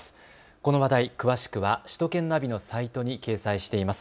この話題、詳しくは首都圏ナビのサイトに掲載しています。